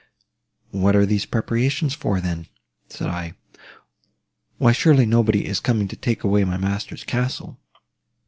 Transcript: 'What are these preparations for, then?' said I; why surely nobody is coming to take away my master's castle!